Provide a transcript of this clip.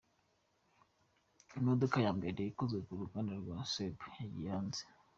Imodoka ya mbere ikozwe n’uruganda rwa Saab yagiye hanze.